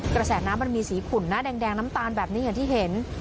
กระแสน้ำมันมีสีขุ่นนะแดงน้ำตาลแบบนี้อย่างที่เห็น